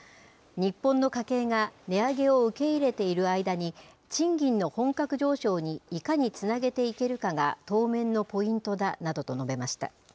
日本の家計が値上げを受け入れている間に、賃金の本格上昇にいかにつなげていけるかが当面のポイントだなどと述べました。